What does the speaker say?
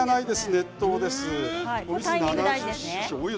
熱湯です。